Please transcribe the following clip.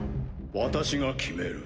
私が決める。